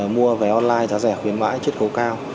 mua vé online giá rẻ khuyến mãi chất khấu cao